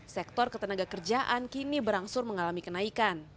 sektor ketenaga kerjaan kini berangsur mengalami kenaikan